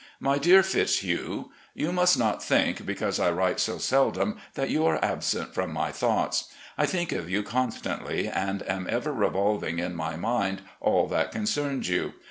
"My Dear Fitzhugh: You must not think because I write so seldom that you are absent from my thoughts. I think of you constantly, and am ever revolving in my mind all that concerns you.